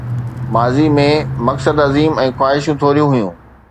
ماضي ۾، مقصد عظيم ۽ خواهشون ٿوريون هيون.